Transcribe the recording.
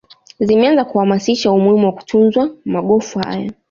Zimeanza kuhamasisha umuhimu wa kutunzwa magofu haya